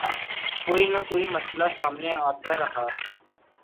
کوئی نہ کوئی مسئلہ سامنے آتا رہا۔